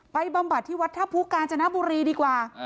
ไปบำบัดที่วัฒนภูการจนบุรีดีกว่า